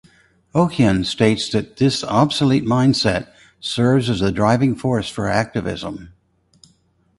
Ochieng states that this obsolete mindset serves as the driving force for her activism.